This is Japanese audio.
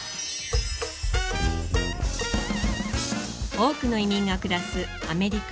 多くの移民が暮らすアメリカ